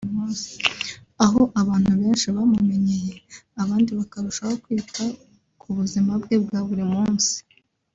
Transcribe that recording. aho abantu benshi bamumenyeye abandi bakarushaho kwita ku buzima bwe bwa buri munsi